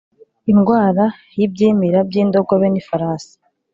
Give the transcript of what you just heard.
Indwara y ibyimira by indogobe n ifarasi